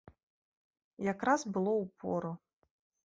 Якраз было ў пору.